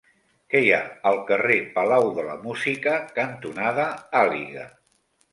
Què hi ha al carrer Palau de la Música cantonada Àliga?